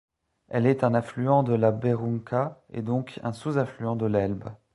Elle est un affluent de la Berounka et donc un sous-affluent de l'Elbe.